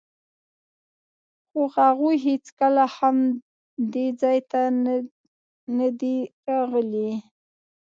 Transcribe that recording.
خو هغوی هېڅکله هم دې ځای ته نه دي راغلي.